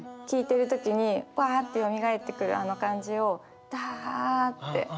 聴いてる時にパッてよみがえってくるあの感じをダッて。